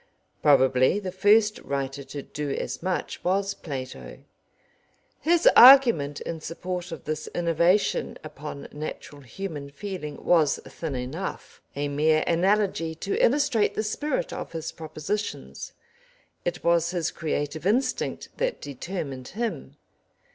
Probably the first writer to do as much was Plato. His argument in support of this innovation upon natural human feeling was thin enough a mere analogy to illustrate the spirit of his propositions; it was his creative instinct that determined him.